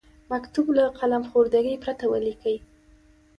مکتوب له قلم خوردګۍ پرته ولیکئ.